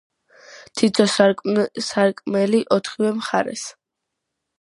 თითო სარკმელი ოთხივე მხარეს.